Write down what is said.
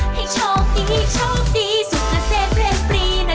ให้โชคดีโชคดีสุขเส้นเร่นบรีนะ